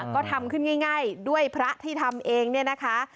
ก็ทำขึ้นง่ายด้วยพระที่ทำเองเนี่ยนะคะ